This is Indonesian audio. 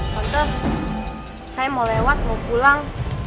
contoh saya mau lewat mau pulang